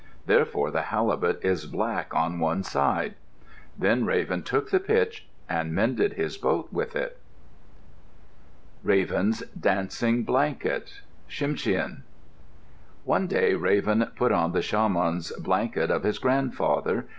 Therefore the halibut is black on one side. Then Raven took the pitch and mended his boat with it. RAVEN'S DANCING BLANKET Tsimshian One day Raven put on the shaman's blanket of his grandfather.